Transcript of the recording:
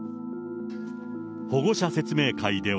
保護者説明会では。